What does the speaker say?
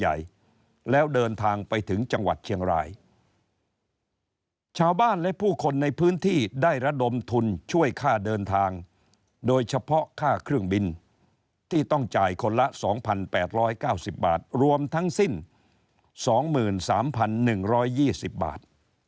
แล้วเดินทางไปถึงจังหวัดเชียงรายชาวบ้านและผู้คนในพื้นที่ได้ระดมทุนช่วยค่าเดินทางโดยเฉพาะค่าเครื่องบินที่ต้องจ่ายคนละ๒๘๙๐บาทรวมทั้งสิ้น๒๓๑๒๐บาท